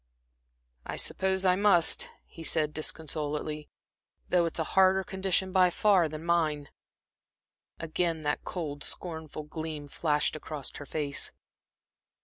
"I suppose I must," he said, disconsolately, "though it's a harder condition, by far, than mine." Again that cold, scornful gleam flashed across her face.